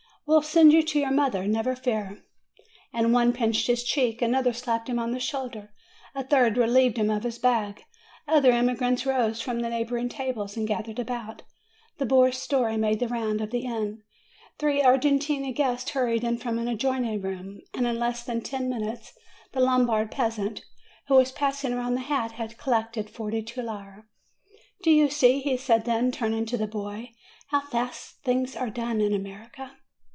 We'll send you to your mother; never fear!" And one pinched his cheek, another slapped him on the shoulder, a third relieved him of his bag; other emigrants rose from the neighboring tables, and gathered about; the boy's story made the round of the inn; three Argentine guests hurried in from the ad joining room; and in less than ten minutes the Lom bard peasant, who was passing round the hat, had col lected forty two lire. "Do you see," he then said, turning to the boy, "how fast things are done in America?"